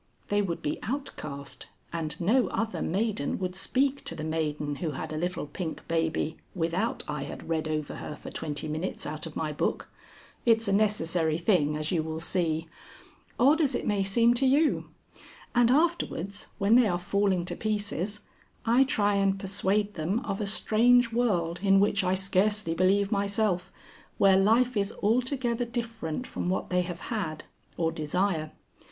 They would be outcast, and no other maiden would speak to the maiden who had a little pink baby without I had read over her for twenty minutes out of my book. It's a necessary thing, as you will see. Odd as it may seem to you. And afterwards when they are falling to pieces, I try and persuade them of a strange world in which I scarcely believe myself, where life is altogether different from what they have had or desire.